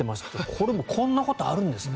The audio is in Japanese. これもこんなことあるんですね。